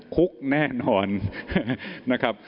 คุกแน่นอนนะครับ